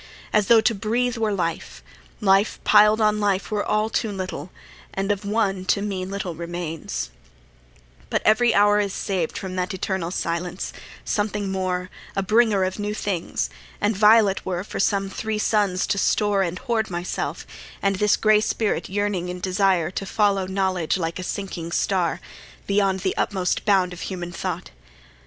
As tho' to breathe were life! Life piled on life Were all too little, and of one to me Little remains: but every hour is saved From that eternal silence, something more, A bringer of new things; and vile it were For some three suns to store and hoard myself, And this gray spirit yearning in desire To follow knowledge like a sinking star, Beyond the utmost bound of human thought.